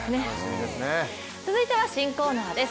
続いては新コーナーです。